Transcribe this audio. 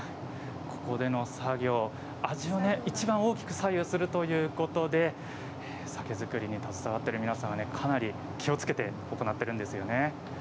ここでの作業味をいちばん大きく左右するということで酒造りに携わっている皆さんかなり気をつけて行っているんですよね。